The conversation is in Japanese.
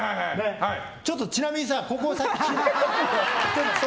ちょっとちなみにさ、ここさ。